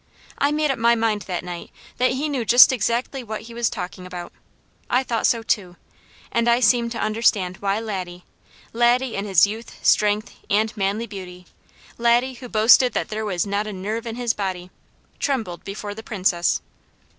I made up my mind that night that he knew just exactly what he was talking about. I thought so too. And I seemed to understand why Laddie Laddie in his youth, strength, and manly beauty, Laddie, who boasted that there was not a nerve in his body trembled before the Princess.